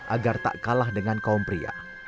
agar tak kalah dengan kaum pria